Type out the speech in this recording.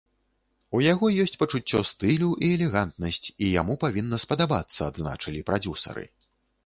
У яго ёсць пачуццё стылю і элегантнасць, і яму павінна спадабацца, адзначылі прадзюсары.